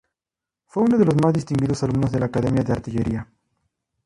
Fue uno de los más distinguidos alumnos de la Academia de Artillería.